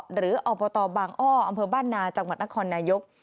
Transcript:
อบตบางอ้ออำเภอบ้านนาจังหวัดนครนายก